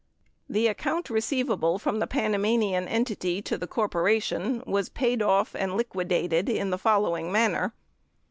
The account receivable from the Panamanian entity to the corpora tion was paid off and liquidated in the following manner.